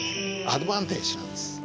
アドバンテージなんです。